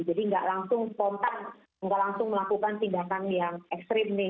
jadi nggak langsung spontan nggak langsung melakukan tindakan yang ekstrim nih